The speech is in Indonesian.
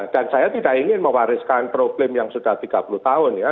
dan saya tidak ingin mewariskan problem yang sudah tiga puluh tahun ya